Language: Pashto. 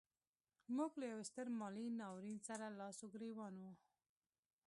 موږ له یوه ستر مالي ناورین سره لاس و ګرېوان وو.